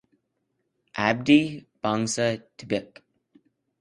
Abdi Bangsa Tbk.